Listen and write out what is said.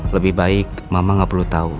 lebih baik mama gak perlu tahu